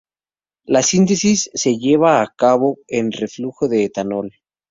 La síntesis se lleva a cabo en reflujo de etanol.